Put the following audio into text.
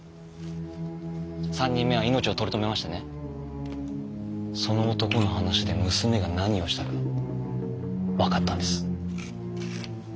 ３人目は命を取り留めましてねその男の話で娘が何をしたか分かったんです。